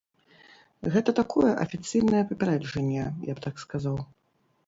Гэта такое афіцыйнае папярэджанне, я б так сказаў.